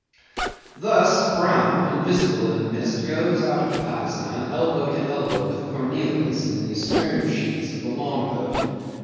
'Thus Brown, invisible in the mist, goes out of Patusan elbow to elbow with Cornelius in the stern sheets of the long boat.